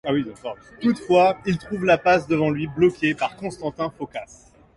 Toutefois, il trouve la passe devant lui bloquée par Constantin Phocas.